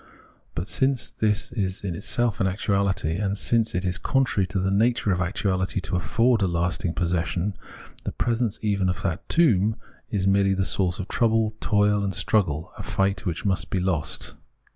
But since this is itself an actuahty, and since it is contrary to the nature of actuahty to afford a lasting possession, the presence even of that tomb is merely the source of trouble, toil, and struggle, a fight which must be lost.